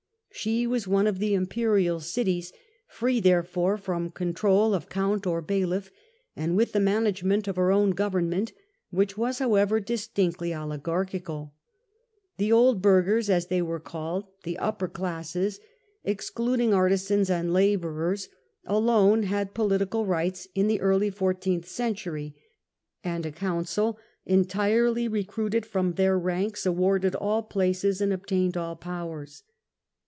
She was one of the Im perial cities, free therefore from control of count or bailiff, and with the management of her own govern ment, which was, however, distinctly oligarchical. The Old Burghers, as they were called, the upper classes ex cluding artisans and labourers, alone had political rights in the early fourteenth century, and a Council, entirely recruited from their ranks, awarded all places and ob tained all powers.